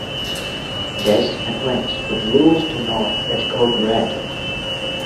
Dez and Wentz would lose to North at Code Red.